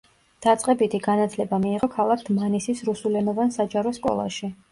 დაწყებითი განათლება მიიღო ქალაქ დმანისის რუსულენოვან საჯარო სკოლაში.